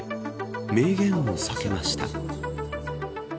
明言を避けました。